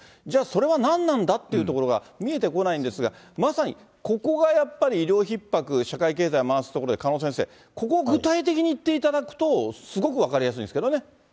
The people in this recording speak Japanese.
じゃあ、それは何なんだっていうところが見えてこないですが、まさにここがやっぱり医療ひっ迫、社会経済回すところで、鹿野先生、ここ、具体的に言っていただくと、すごく分かりやすいんですけどね。